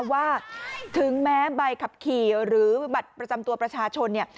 ว่าถึงแม้ใบขับขี่หรือบัตรประจำตัวประชาชนเนี่ย